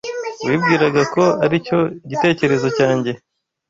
Wibwiraga ko aricyo gitekerezo cyanjye?